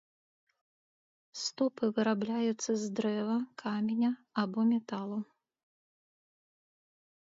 Ступы вырабляюцца з дрэва, каменя або металу.